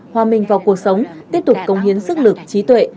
hòa mình vào cuộc sống tiếp tục công hiến sức lực trí tuệ